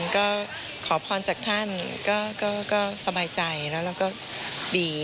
ก็ขอพรจากท่านก็สบายใจแล้วเราก็ดี